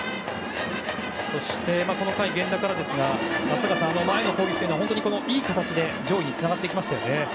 そしてこの回源田からですが松坂さんは前の攻撃でいい形で上位につながっていきましたよね。